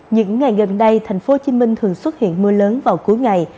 những ngày gần đây thành phố hồ chí minh thường xuất hiện mưa lớn vào cuối ngày